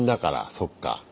そっか。